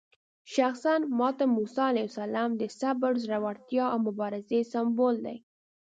شخصاً ماته موسی علیه السلام د صبر، زړورتیا او مبارزې سمبول دی.